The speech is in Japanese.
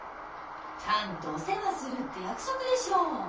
ちゃんとお世話するって約束でしょ